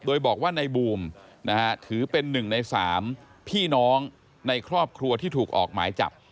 โดยบอกว่าในบูมถือเป็น๑ใน๓พี่น้องในครอบครัวที่ถูกออกหมายจับ